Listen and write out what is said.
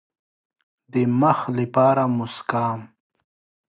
د مخ لپاره موسکا.